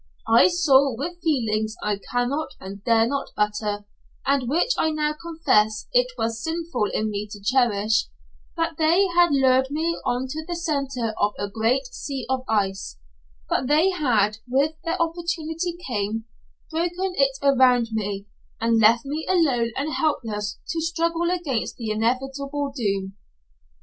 I saw, with feelings I cannot and dare not utter, and which I now confess it was sinful in me to cherish, that they had lured me on to the centre of a great sea of ice; that they had, when their opportunity came, broken it around me, and left me alone and helpless to struggle against inevitable doom.